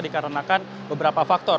dikarenakan beberapa faktor